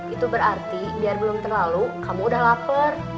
itu berarti biar belum terlalu kamu udah lapar